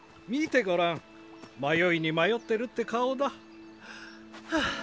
見てごらん迷いに迷ってるって顔だ。